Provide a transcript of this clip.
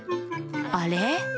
あれ？